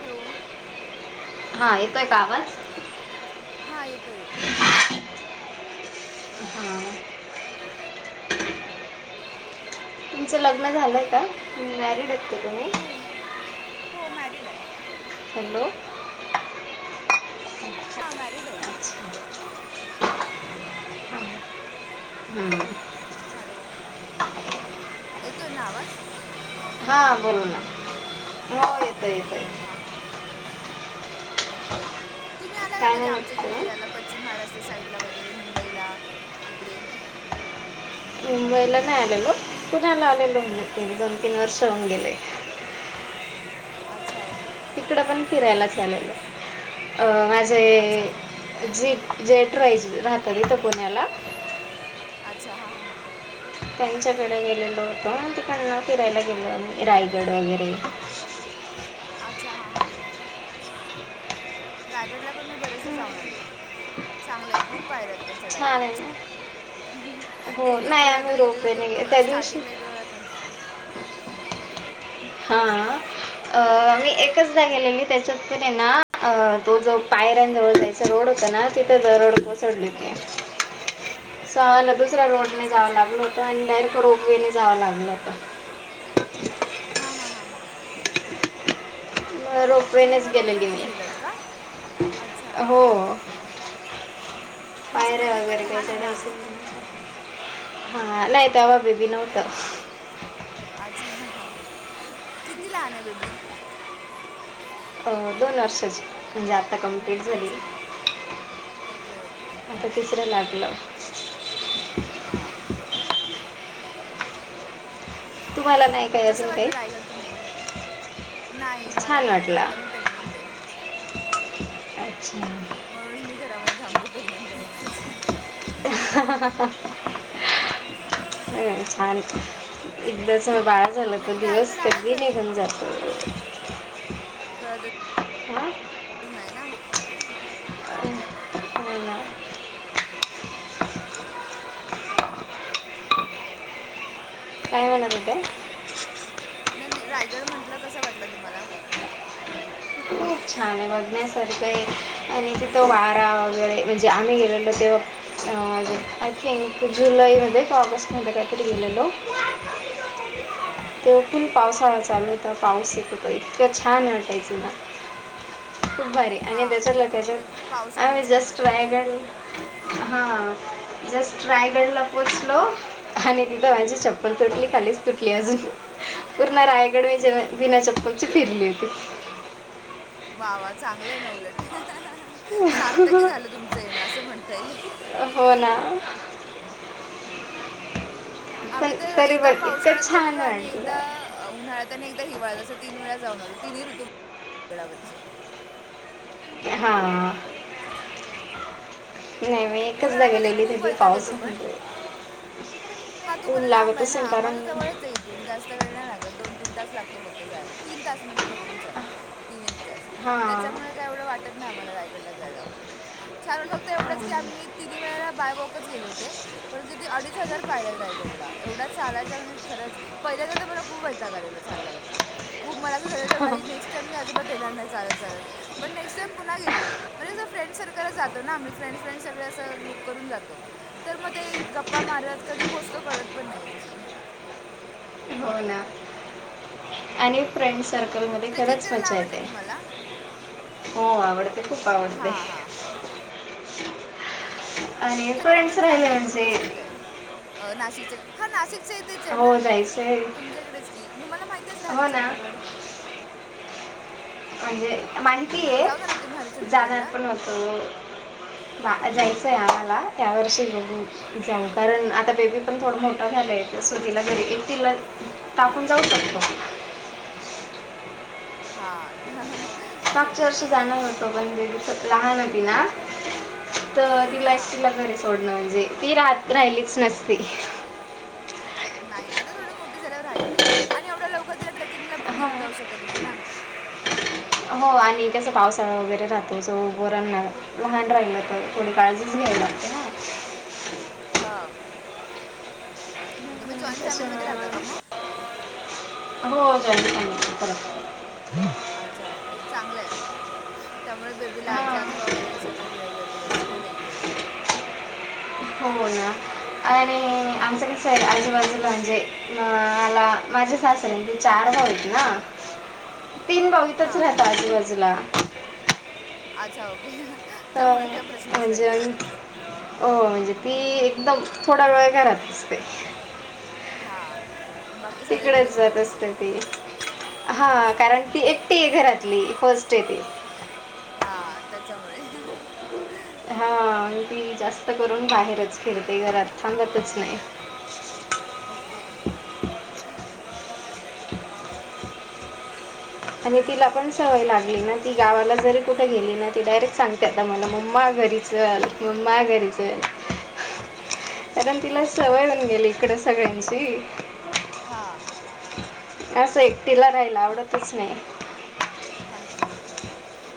Hello हा येतोय का आवाज हा येतोय येतोय हा तुमचं लग्न झालंय का? मॅरिड आहेत का तुम्ही? हो हो मॅरिड आहे हॅलो हा मॅरिड आहे मी. हम् हुं हॅलो येतोय ना आवाज? हो हो येतोय येतोय हा हा ओके ओके तुम्ही आला का काय कधी आमच्या म्हणत इकडे तुम्ही फिरायला पश्चिम महाराष्ट्र साईडला वगैरे मुंबईला? इकडे मुंबईला नाही आलेलो पुण्याला आलेलो नक्की दोन तीन वर्ष होऊन गेले [inaudible] अच्छा ओके हां तिकड हां पण हां. फिरायला चालेल अ माझे अच्छा फक्त जेट जेठ राहायचे राहतात इथं पुण्याला अच्छा हा हा हां त्यांच्याकडे गेलेलो होतो तिकडना फिरायला गेलो रायगड वगैरे [inaudible] अच्छा हा हा हा हा ह रायगडला पण मी बरेचदा जाऊन आलेय, चांगलंय खूप पायऱ्या आहेत पण चडायला छान आहे ना हो एक दोन नाही वेळा आम्ही तर गेलेले रोपवेने तेव्हा गे- मला त्या दिवशी स्टार्टिंगला एक दोन वेळा कंटाळा आला [unintelligible] हा अ मी एकचदा गेलेली त्याच्यात पण आहे ना अ तो जो आयरन जवळ जायच रोड होत नाही, तिथ दरड कोसळली होती. [unintelligible] दुसऱ्या रोडने अच्छा जावं लागल अच्छा होतं, आणि डायरेक्ट रोपवेने जावं लागलं होत. हा हा हा हा. मग रोपवेनेच गेलेली रोपवेने मी गेलेलात का अच्छा हो. तुमचं पायऱ्या बेबी पण वगैरे काय लहान आहे ना चढायच्या अजून नाय. हा नाही, तेव्हा बेबी नव्हतं. अच्छा किती लहान आहे बेबी? अ दोन वर्षाची म्हणजे आता आता कंप्लीट झाली, अच्छा ओके ओके हां आता तिसरं लागलं. हा. तुम्हाला नाही काय कसं अजून वाटलं काही? रायगड तुम्हाला नाही मला छान नाहीय, वाटलं आता मी प्रेग्नेंट आहे. अच्छा! म्हणूनच मी घरामध्ये थांबले प्रेग्नेंट आहे म्हणूनचं. अ हह अ छान की [unintelligible] बाळ झालं तर, नाही दिवस रायगड आहे कधी खरं निघून तर जातो. कळतच हा. नाही ना होत. हो ना काय म्हणालाय काय? नाही नाही रायगड म्हंटलं, कस वाटलं तुम्हाला? खुप छान आहे बघण्यासारखं आहे, आणि तिथं वारा वगैरे म्हणजे आम्ही गेलेलो ते जुलै मध्ये का ऑगस्ट मध्ये काय तर गेलेले. हां [unintelligible] तेव्हा फुल पावसाळा चालू होता, पाऊस येत होता इतकं छान वाटायचं ना. खूप भारी आणि हां त्याच लगेचचं नाही पावसामध्ये आम्ही छान जस्ट वाटतं रायगड वरून हा जस्ट रायगड ला पोहोचलो, आणि तिथ माझी चप्पल तुटली का ली अजून पूर्ण रायगड विना चप्पलची फिरली होती. भावा चांगलंय ना उलट. सार्थकी झालं तुमचं येणं असं म्हणता येईल. हो ना पण आम्ही तर तरी पण एकदा इतकं पावसाळ्यात छान गेलेलो आणि एकदा वाटलं उन्हाळ्यात आणि एकदा हिवाळ्यात असं तीन वेळा जाऊन आलो. तिनी ऋतु गडावरचे. हा आ. नाही. मी एकचदा उन्हाळ्यामध्ये गेलेली खूप तेबी वैताग येतो पण पाऊसमध्ये. हा तू बोला लांब हेना. आम्हाला जवळचये इथून जास्त वेळ नाही लागत. दोन तीन तास लागतो फक्त जायला. तीन तास म्हणजे प- - डुन चला. तीन एक तास हां त्याच्यामुळे काय एवढं वाटत नाही. आम्हाला रायगडला जायला. [unintelligible] फक्त एवढंच - - की आम्ही तिनी वेळेला बाय वॉकच गेले होते, पण किती अडीच हजार पायऱ्या हाईत रायगडला एवढा चाला यच म्हणजे खरच. पहिल्यांद तर मला खूप वैताग आलेला चालल्यावरती खूप मला असं झालं बाई नेक्स्ट टाइम मी अजिबात येणार नाही. चालत चालत पण नेक्स्ट टाईम पुन्हा गेले, म्हणे अस फ्रेंड सर्कलच जातो ना आम्ही फ्रेड्- - फ्रेंड सगळे असं ग्रुप करून जातो. तर मग ते गप्पा मारत कधी पोहोचतो कळत पण नाही ऍक्च्युली. हो ना आणि फ्रेंडस - - सर्कलमध्ये ट्रेकिंग खरंच करायला मज्जा आवडते येते. तुम्हाला हो. आवडते खूप आवडते. हां हां हां आणि वगैरे फ्रेंडस राहिले म्हणजे - - नाशिकचे हा नाशिक - - इथेच हेना. जायचं तुमच्याकडेच कि तुम्हाला माहिती असेल हो ना हरीशचंद्रगड. म्हणजे माहिती हां ये. जाऊ ना रे तुम्ही जाणार हरिश्चंद्रगडला पण होतो. जायचंय आम्हाला या वर्षी बगू जाऊ, कारण आता बेबी पण थोडा मोठा झालंय. सुग्गीला घरी येतीलच टाकून जाऊ [unintelligible] हा [unintelligible] मागच्या वर्षी जाणार होतो पण बेबी तर लहान होती ना. तर तिला हां एकटीला घरी सोडणं म्हणजे, ती राह राहिलीच नसती. नाही. आता थोडं मोठे झाल्यावर राहील ती, आणि एवढ्या लवकर तिला ट्रॅक किंग ला पण हां घेऊन जाऊ शकत नाही ना. ठीक आहेसं पावसाळां वगैरे राहतो, जो वरण लहान राहिलं तर थोडी काळजीच घ्यावी लागते ना. [unintelligible] हा. हम्म, त्याच्यामुळे मग, हो [unintelligible] अच्छा ओके, चांगलंय. त्यामुळे बेबी ला आज्जी, हां आजोबा वगैरे सगळे भेळ भेटत असतील ना रेग्युलर. हो ना. आणि आमचं कसय आजूबाजूला म्हणजे म मला माझे सासऱ्यांचे चार [unintelligible] ना तीन बाऊतच हां राहत आजूबाजूला. अच्छा ओके अ त्यामुळे काही - प्रश्नच म्हणजे, नाही आहे हो म्हणजे ती एकदम, थोडा वेळ घरात असते. हा. तिकडेच जात असते ती. हा हां कारण ती एकटीय घरातली फस् [unintelligible] हा त्याच्यामुळे [inaudible] हां. आणि ती जास्त करून बाहेरच फिरते. घरात थांबतच नाही. ओके. आणि तिला पण बाकी सवय लागली ना ती. गावाला जरी कुठे गेली ना. ती डायरेक्ट सांगते आता मला मम्मा घरी चल. मम्मा घरी चल. कारण तिला सवय अच्छा होऊन गेली इकडे सगळ्यांची. हां. असं एकटीला राहीला आवडतच नाही. अच्छा ओके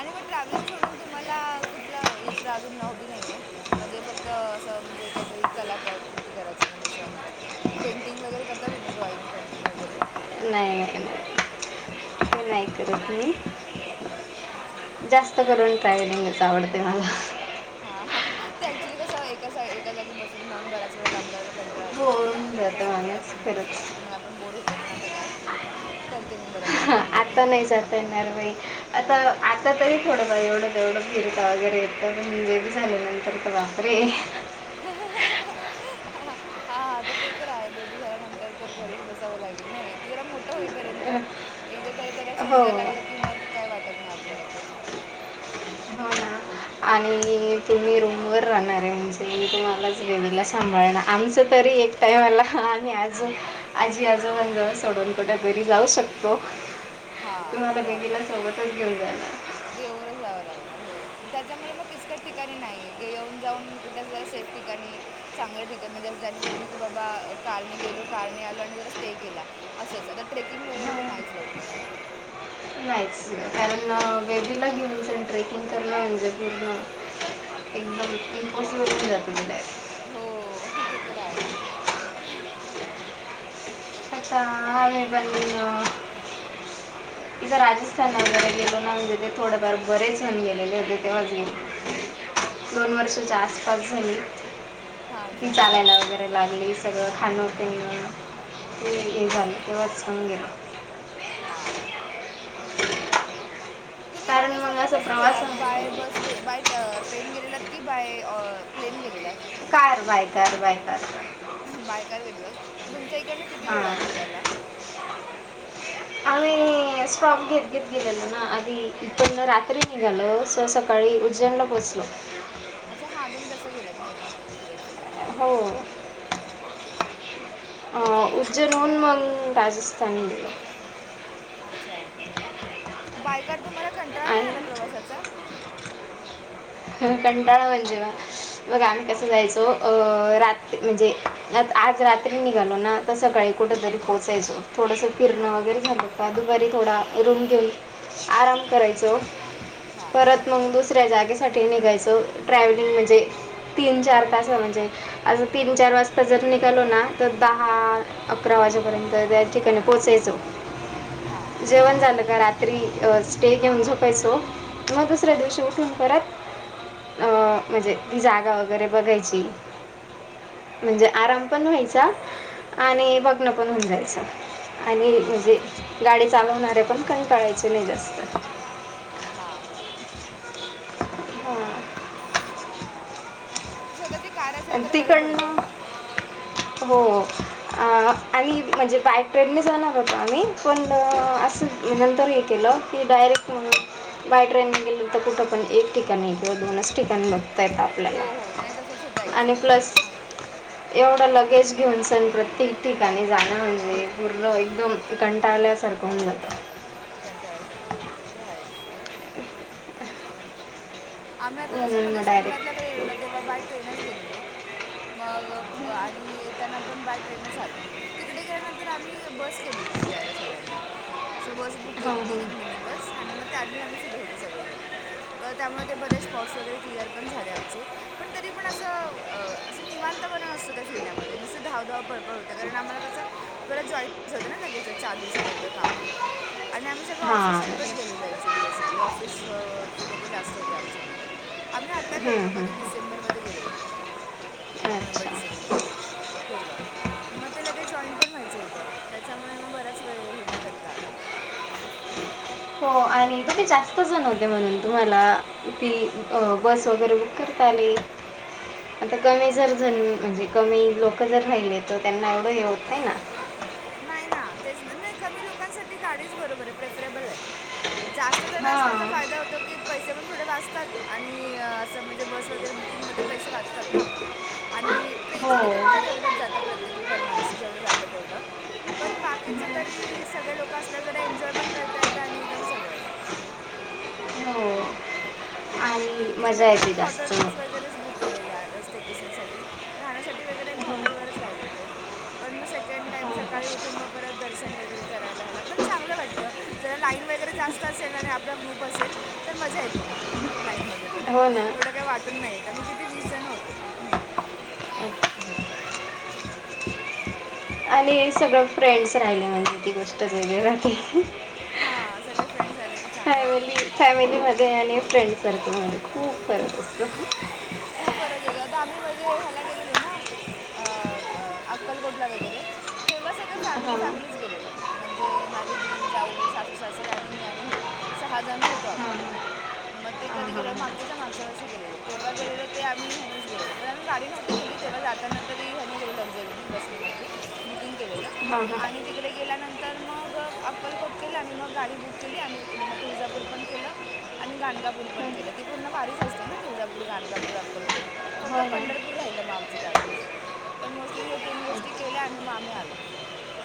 आणि मग ट्रॅव्हलिंग सोडून तुम्हाला कुठलं दुसर अजून हॉबी नाहीये म्हणजे फक्त असं म्हणजे काहीतरी कला कृती करायची म्हणजे अस? पेंटिंग वैगेरे करता तुम्ही ड्रॉइंग पेंटिंग वैगेरे? नाही नाही नाही. मी नाही करत मी. अच्छा जास्त करून ट्रॅव्हलिंगच आवडते मला. हा ते ऍक्च्युली कसं एका एका जागी बसरून राहून बराच वेळ काम करायला कंटाळा येतो ना. होऊन जातं तसंच मला माणूस पण तोच खरंच ऍक्च्युली मला पण बोर होत पण आता काय करते मी बरापैकी कधी कधी. आता नाही जात येणार बाई आता आता तरी थोडं बर एवढं तेवढं फिरता वगैरे येत म्हणजे [unintelligible] झाले नंतर तर बापरे. हा हा हं हं तर ते तर आहे. बेबी झाल्यानंतर तर घरीच बसावं लागेल ना. जरा मोठं होईपर्यंत एकदा जरा त्याला समजायला हो लागलं की मग काय वाटत नाही आपल्याला पण. हो ना. आणि तुम्ही रूम वर राहणारे म्हणजे मी तुम्हालाच वेवीला सांभाळणार आमच तर एक टाईमाला आम्ही आजुन आजी आजोबां जवळ सोडून कुठतरी जाऊ शकतो हा तुम्हाला ते आहे. बेबीला सोबतच घेऊन जाणार घेऊनच जावं लागणार हो. त्याच्यामुळे मग किचकट ठिकाणी नाही येऊन जाऊन कुठे जर सेफ ठिकाणी चांगलं ठिकाण म्हणजे जेने करून की बाबा कार ने गेलो कार ने आलो आणि जरा स्टे केला असच. ट्रेकिंग वगैरे तर नाहीच लवकर नाहीच कारण बेबीला घेऊन जर ट्रेकिंग करणं म्हणजे [unintelligible] हो ते तर आहे अच्छा आहे पण न. इथे राजस्थान वगैरे गेलो ना ते थोडेफार बरेच होऊन गेलेले होते तेव्हा दोन वर्षाच्या आसपास झाली. हां ती अच्छा हां हां चालायला वगैरे लागली सगळं खानपिण. [unintelligible] हा. तुम्ही कारण मग राजस्थान असं कसं प्रवास गेलात बाय म्हणजे बस ग बाय ट्रेन गेलेलात. की बाय अ प्लेन गेलेलात. Car by, car by, car by. By car गेलेलात तुमच्या इकडन किती वेळ हां लागला जायला? आम्ही स्टॉप घेत घेत गेलेलो ना आधी इथण रात्री निघालो सो सकाळी उज्जैनला पोहोच लो. अच्छा हा तुम्ही तसं गेलंत नाही का फिरत फिरत हां हो. अ त्याच्यामुळे उज्जैन तुम्हाला होऊन मग एवढं करायचं राजस्थान बायकर तुम्हाला कंटाळा नाही आला आणि प्रवासाचा. कंटाळा म्हणजे बघ आम्ही कसं जायचो अ रात म्हणजे आज रात्री निघालो ना तर संकाळी कुठं तरी पोचायचो. थोडंसं फिरणं हां वगैरे झालं का दुपारी थोडा रुम घेऊन आराम करायचो. हां परत मग दुसऱ्या जागे साठी निघायचो ट्रॅव्हलिंग म्हणजे तीन चार तास म्हणजे अस तीन चार जर निघालो ना तर दहा अकरा वाजेपर्यंत त्या ठिकाणी पोहोचायचो. हां जेवण झाल का रात्री स्टे घेऊन झोपायचो. किंवा दुसऱ्या हां दिवशी उठून परत अं म्हणजे ती जागा वगैरे बघायची. म्हणजे आराम पण व्हायचा आणि बघन पण होऊन जायच. आणि म्हणजे अच्छा गाडी चालवणारे पण काही कळायचे नाही जास्त. नाही हा बरोबर. बरं आहे. हा. स्वतःची कार असेल तर बरं पडत. हो आणि म्हणजे बाय ट्रेने जाणार होतो आम्ही पण असं नंतर हे केलं की डायरेक्ट म्हणून बाय ट्रेनने गेलं तर कुठं पण एक ठिकाणी किवा दोनच ठिकाणी बघता येत आपल्याला. हो हो नाही तसंच होतं आणि ॲक्च्युली प्लस हां एवढ लगेच घेऊन सण प्रत्येक ठिकाणी जाणं म्हणजे पूर्लं एकदम कंटाळल्यासारखं [inaudible] कंणटळ्यासारख्या ते हाच ते आम्ही आता जस म्हणून मध्ये मग सोमनाथलाडे डायरेक्ट गेलो ना तेव्हा बाय ट्रेनच गेलेलो. मग आणि येताना पण बाय ट्रेनच आलो. तिथे गेल्यानंतर आम्ही बस केलेली फिरायला सगळ्यांनी असं बस बुक हां केलेली हां एक मिनी बस आणि मग त्यामधी आम्ही फिरत होतो सगळे जण तर त्यामुळे ते बरे स्पॉट्स वगैरे [unintelligible] झाले आमचे पण तरीपण असं अ निवांतपणा नसतो त्या फिरण्या मध्ये नुसतं धाव धाव प पळ होते कारण आम्हाला कस परत जॉई होतं ना लगेच चालू झाल्यानंतर कामावर. आणि आम्ही सगळ ऑफिस हां ट्रिपच गेलेलो ऍक्च्यअली बेसिकली. ऑफिस जे लोक जास्त होते आमच्या मध्ये. आम्ही आता गेलेलो, हं, हं, कधी हं. डिसेंबरमध्ये गेलेलो. नोव्हेंबर अच्छा डिसेंबरमध्ये तेव्हा. मग ते लगे जॉईंन पण व्हायचं होतं त्यामुळे मग बराच वेळ हे नाय करता आलं हो आणि मग ते जास्त जण होते म्हणून तुम्हाला, ती बस वगैरे बुक कर करता आली. आता कमी जर जण म्हणजे कमी लोक जर राहिली, तर त्यांना एवढं हे होत नाही ना. नाही ना, तेच ना. नाही कमी लोकांसाठी गाडीच बरोबर आहे प्रेफरेबल आहे. जास्त जण असल्याचा हां फायदा होतो की पैसे पण थोडे वाचतात, आणि असं म्हणजे बस वगैरे बुकिंगमध्ये पैसे वाचतात ना आपले, आणि हो ट्रेनचं टिकीट काय तेवढंच जातं प्रत्येक पर मानसी जेवढं ज जात तेवढं. पण बाकीच तरी, सगळे लोक असल्याव जरा एन्जॉय पण करता येत आणि एकदम सगळंच. हो आणि मजा येते जास्त. केलेल्या रवकेशनसाठी. राहण्यासाठी वैगरे आम्ही हॉटेलवरच राहिलो होतो. पण मग सेकंड टाईम सकाळी उठून मग परत दर्शन वगैरे करायला हेला. पण चांगलं वाटतं, जरा लाईन वगैरे जास्त असेल आणि आपला ग्रुप असेल, तर मजा येते मग लाईन मध्ये. हो ना एवढं काय वाटून नाहीयेत, आम्ही किती वीस जण होतो. आणि सगळं फ्रेंड्स राहिले म्हणजे ती गोष्ट वेगळी राहते. हां सगळे फ्रेंड्स आले की चांगलं फॅमिली जातं फॅमिली मध्ये आणि फ्रेंड सर्कल मध्ये खूप फरक असतो. खूप बर केलं, [unintelligible] आता आम्ही म्हध्ये ह्यायला गेलेलो ना. अ- अक्कलकोटला वगैरे. तेव्हा सगळे हां फॅमिली हां फॅमिलीच गेलेलो. म्हणजे माझी दिर, जाऊ, सासू, सासरे आणि मी आणि हे. सहा जण होतो आम्ही. [unintelligible] म ते कधी गेलेलो, हां मागच्या च्या मागच्या वर्षी गेलेलो. तेव्हा गेलेलो ते आम्ही ह्यानेच गेलेलो. पण आम्ही गाडी नव्हती केली. तेव्हा जाताना तरी ह्याने गेलो, लक्झरी बसनी म्हणजे बुकिंग केलेलं, हां आणि हो तिकडे गेल्यानंतर मग मग अक्कलकोट केलं आणि मग गाडी बुक केली आम्ही तिकडे. मग तुळजापूर पण केलं आणि गाणगापूर पण केलं. ती पूर्ण वारीच असते ना तुळजापूर, गाणगापूर, अक्कलकोट. फक्त ना पंढरपूर राहिलं म आमचं त्यावेळे. पण मोस्टली हे तीन गोष्टी केल्या आणि म आम्ही आलो.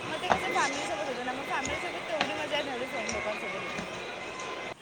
मग ते कस फॅमिलीसोबत होत ना. म फॅमिली सोबत तेवढी मज्या नाही येत, तेवढी फ्रेंड लोकांसोबत येती. [unintelligible]